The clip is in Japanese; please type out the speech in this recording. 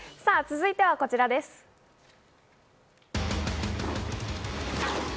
続いてはこちらです。